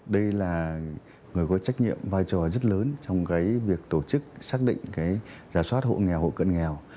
đây là người có trách nhiệm vai trò rất lớn trong việc tổ chức xác định giả soát hộ nghèo hộ cận nghèo